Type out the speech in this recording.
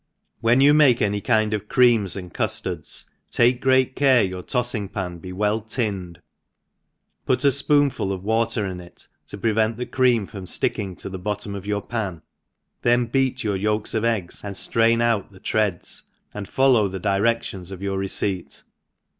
WHEN you make any kind of creams and cuftards, take great care your tofling pu be well tinned, put a fpoonful of wdter in it to prevent the cream from {licking to the bottom of your pan, then beat your yolks of eggs^ and drain out the threads, and follow the <lire<9ion5 of your receipt.